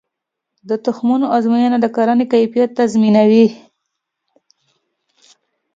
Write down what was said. د تخمونو ازموینه د کرنې کیفیت تضمینوي.